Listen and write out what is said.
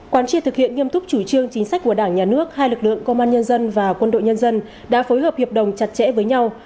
quán triệt thực hiện nghiêm túc chủ trương chính sách của đảng nhà nước hai lực lượng công an nhân dân và quân đội nhân dân đã phối hợp hiệp đồng chặt chẽ với nhau